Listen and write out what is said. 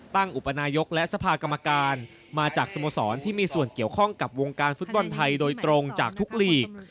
อุปนายกและสภากรรมการมาจากสโมสรที่มีส่วนเกี่ยวข้องกับวงการฟุตบอลไทยโดยตรงจากทุกลีก